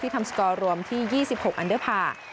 ทำสกอร์รวมที่๒๖อันเดอร์พาร์